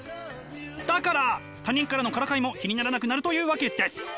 だから他人からのからかいも気にならなくなるというわけです！